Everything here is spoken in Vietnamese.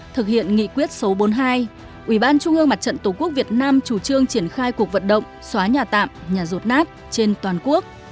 thực hiện nghị quyết số bốn mươi hai ubnd tổ quốc việt nam chủ trương triển khai cuộc vận động xóa nhà tạm nhà ruột nát trên toàn quốc